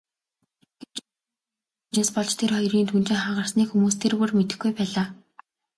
Гэвч нутгийнхаа нэг хүүхнээс болж тэр хоёрын түнжин хагарсныг хүмүүс тэр бүр мэдэхгүй байлаа.